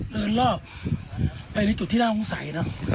เดินรอบไปในจุดที่นั่งวงสัย